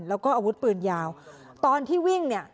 แล้วก็อาวุธปืนยาวตอนที่วิ่งเนี่ย